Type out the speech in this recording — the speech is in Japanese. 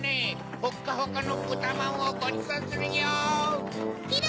ホッカホカのぶたまんをごちそうするよ！